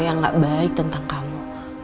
yang gak baik tentang kamu